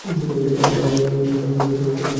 আমি তা প্রমাণ করব।